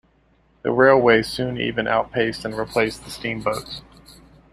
The railways soon even outpaced and replaced the steamboats.